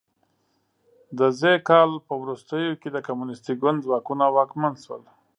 د ز کال په وروستیو کې د کمونیستي ګوند ځواکونه واکمن شول.